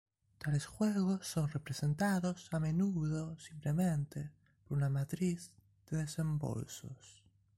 Tales juegos son representados a menudo simplemente por una matriz de desembolsos.